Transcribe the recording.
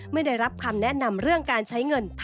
ไม่ได้รับคำแนะนำเรื่องการใช้เงิน